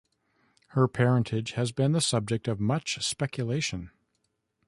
Her parentage has been the subject of much speculation.